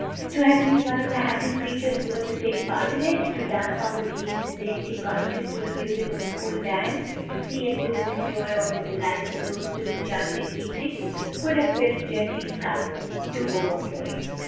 To have been one of the happy creatures who were to take part in it, to dance on the green in a dainty costume to the music of a full band, to see and do and enjoy all the delights of those two enchanting evenings, would have filled Jessie's cup to overflowing.